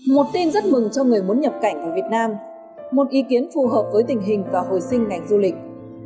một tin rất mừng cho người muốn nhập cảnh vào việt nam một ý kiến phù hợp với tình hình và hồi sinh ngành du lịch